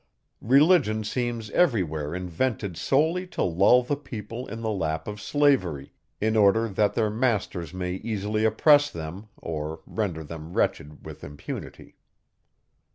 Religion seems every where invented solely to lull the people in the lap of slavery, in order that their masters may easily oppress them, or render them wretched with impunity.